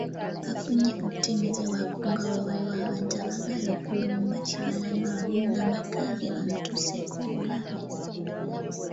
Bafunye okutemezebwako nga bwe waliwo abantu abaagala okulumba Kibalama wamu n'amakaage bamutuuseeko obulabe.